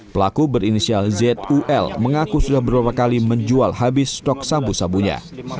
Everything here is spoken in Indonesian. pelaku berinisial zul mengaku sudah berapa kali menjual habis stok sabu sabunya